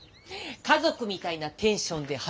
家族みたいなテンションで働くバイト。